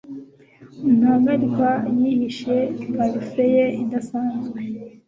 Ntahagarikwa yihishe parufe ye idasanzwe